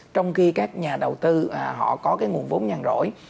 trong khi các nhà đầu tư họ có cái nguồn vốn nhàn rỗi